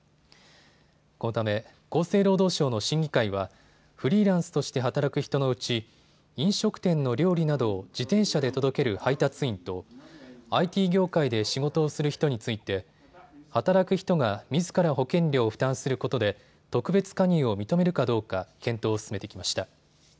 このため厚生労働省の審議会はフリーランスとして働く人のうち飲食店の料理などを自転車で届ける配達員とＩＴ業界で仕事をする人について働く人がみずから保険料を負担することで特別加入を認めるかどうか検討を進めてきました。